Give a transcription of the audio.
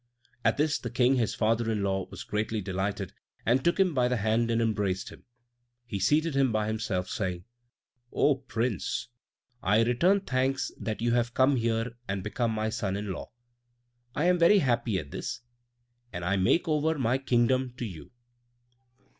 At this the King, his father in law, was greatly delighted and took him by the hand and embraced him. He seated him by himself, saying, "O Prince, I return thanks that you have come here and become my son in law; I am very happy at this, and I make over my kingdom to you."